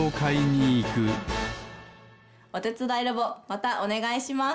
おてつだいロボまたおねがいします。